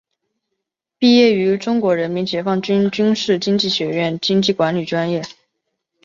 毕业于中国人民解放军军事经济学院经济管理专业。